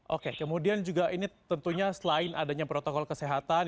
oke kemudian juga ini tentunya selain adanya protokol kesehatan